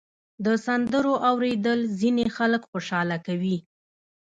د سندرو اورېدل ځینې خلک خوشحاله کوي.